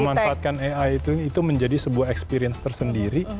memanfaatkan ai itu menjadi sebuah experience tersendiri